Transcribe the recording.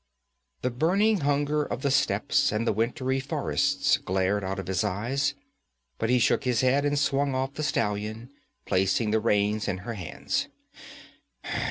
The burning hunger of the steppes and the wintry forests glared out of his eyes, but he shook his head and swung off the stallion, placing the reins in her hands.